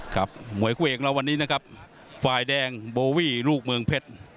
ครับมวยกับกว่าเองแล้ววันนี้นะครับไฟล์แดงโบวี่ลวกเมืองเพชร